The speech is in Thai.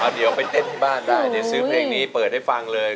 เอาเดี๋ยวไปเต้นบ้านได้สี่เพลงนี้เปิดให้ฟังเลย